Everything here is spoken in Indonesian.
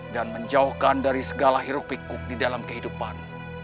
dan menjauhkan dari segala hirup pikuk di dalam kehidupan